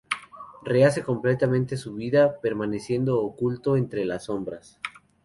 Rehace completamente su vida permaneciendo oculto entre las sombras.